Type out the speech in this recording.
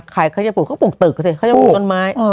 ใครเขาจะปลูกเขาปลูกตึกสิเขาจะปลูกต้นไม้